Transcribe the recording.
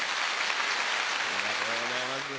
ありがとうございます。